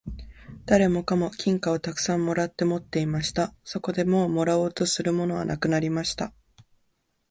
誰もかも金貨をたくさん貰って持っていました。そこでもう貰おうとするものはなくなりました。